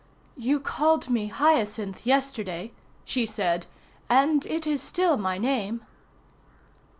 "You called me Hyacinth yesterday," she said, "and it is still my name."